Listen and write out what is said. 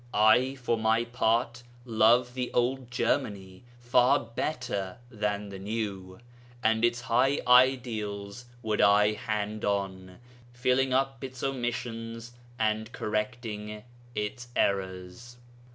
I for my part love the old Germany far better than the new, and its high ideals would I hand on, filling up its omissions and correcting its errors.